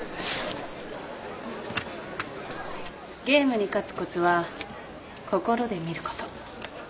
ゲームに勝つコツは心で見ること。